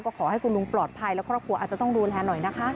ก็ขอให้คุณลุงปลอดภัยและครอบครัวอาจจะต้องดูแลหน่อยนะคะ